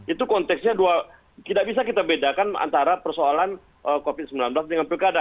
itu konteksnya dua tidak bisa kita bedakan antara persoalan covid sembilan belas dengan pilkada